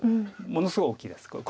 ものすごい大きいですこれ。